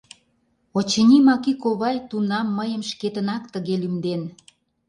Очыни, Маки ковай тунам мыйым шкетынак тыге лӱмден.